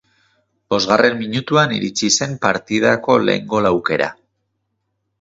Bosgarren minutuan iritsi zen partidako lehen gol aukera.